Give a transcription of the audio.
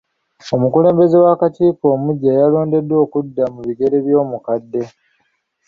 Omukulembeze w'akakiiko omuggya yalondeddwa okudda mu bigere by'omukadde.